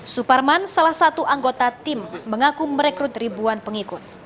suparman salah satu anggota tim mengaku merekrut ribuan pengikut